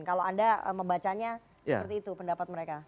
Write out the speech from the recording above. kalau anda membacanya seperti itu pendapat mereka